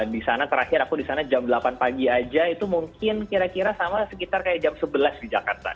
di sana terakhir aku di sana jam delapan pagi aja itu mungkin kira kira sama sekitar kayak jam sebelas di jakarta